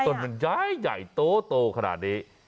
ต้นมันใหญ่ใหญ่โตโตขนาดนี้